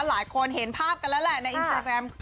หลายคนเห็นภาพกันแล้วแหละ